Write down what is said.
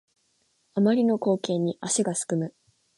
あまりの光景に足がすくむ